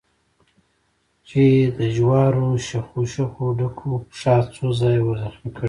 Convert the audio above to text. چې د جوارو شخو شخو ډکو پښه څو ځایه ور زخمي کړې وه.